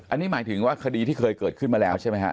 อันนี้หมายถึงว่าคดีที่เคยเกิดขึ้นมาแล้วใช่ไหมฮะ